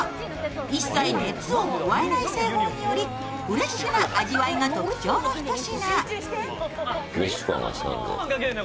一切熱を加えない製法によりフレッシュな味わいが特徴のひと品。